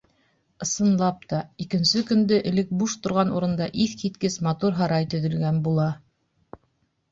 Ысынлап та, икенсе көндө элек буш торған урында иҫ киткес матур һарай төҙөлгән була.